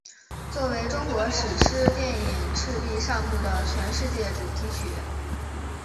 作为中国史诗电影赤壁上部的全世界主题曲。